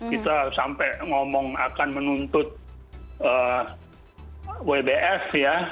kita sampai ngomong akan menuntut wbf ya